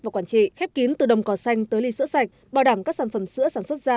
và quản trị khép kín từ đồng cỏ xanh tới ly sữa sạch bảo đảm các sản phẩm sữa sản xuất ra